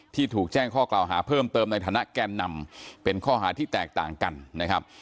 ถูกแจ้งข้อกล่าวหาเพิ่มเติมในฐานะแกนนำเป็นข้อหาที่แตกต่างกันนะครับ